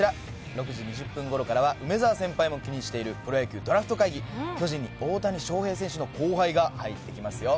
６時２０分ごろからは、梅澤先輩も気にしているプロ野球ドラフト会議、巨人に大谷翔平選手の後輩が入ってきますよ。